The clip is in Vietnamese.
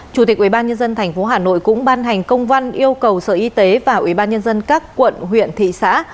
chủ tịch ubnd tp hà nội cũng ban hành công văn yêu cầu sở y tế và ubnd các quận huyện thị xã